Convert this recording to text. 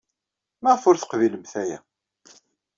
Maɣef ur teqbilemt aya?